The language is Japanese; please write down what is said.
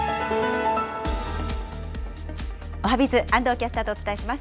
おはＢｉｚ、安藤キャスターとお伝えします。